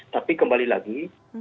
tapi kembali lagi